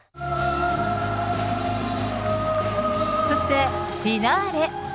そして、フィナーレ。